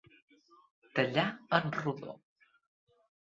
Tallar en rodó.